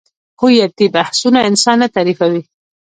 هویتي بحثونه انسان نه تعریفوي.